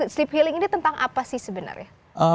sleep healing ini tentang apa sih sebenernya